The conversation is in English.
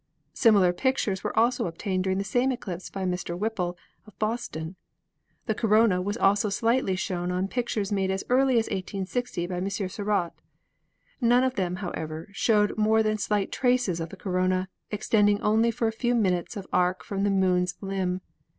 Similar pictures were also obtained during the same eclipse by Mr. Whipple, of Boston. The corona was also slightly shown on pictures made as early as i860 by M. Serrat. None of them, how ever, showed more than slight traces of the corona, ex tending only for a few minutes of arc from the Moon's; limb.